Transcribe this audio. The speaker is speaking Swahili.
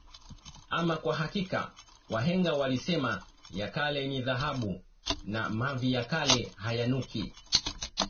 Ama kwa hakika wahenga walisema ya kale ni dhahabu na mavi ya kale ayanuki